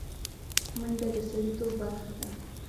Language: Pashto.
منډه د سړيتوب برخه ده